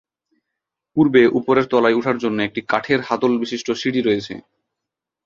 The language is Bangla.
পূর্বে উপরের তলায় উঠার জন্য একটি কাঠের হাতল বিশিষ্ট সিঁড়ি রয়েছে।